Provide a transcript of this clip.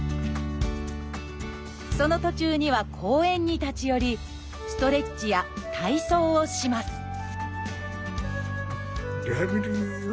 その途中には公園に立ち寄りストレッチや体操をします